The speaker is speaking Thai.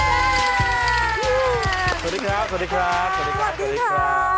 สวัสดีครับสวัสดีครับสวัสดีครับสวัสดีครับ